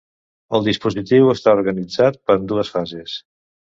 El dispositiu està organitzat en dues fases.